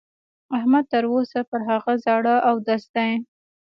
احمد تر اوسه پر هغه زاړه اودس دی.